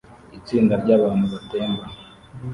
Itsinda ryabantu batemba